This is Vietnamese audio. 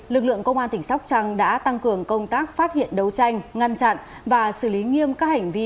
lực lượng công an tỉnh sóc trăng đã tăng cường công tác phát hiện đấu tranh ngăn chặn và xử lý nghiêm các hành vi